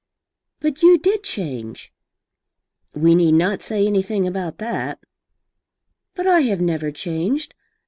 "But you did change." "We need not say anything about that." "But I have never changed.